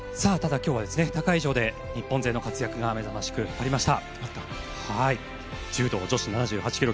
今日は他会場で日本勢の活躍が目ざましくありました。